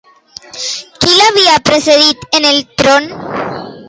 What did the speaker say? Qui l'havia precedit en el tron?